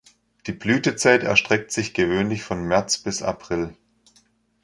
Die Blütezeit erstreckt sich gewöhnlich von März bis April.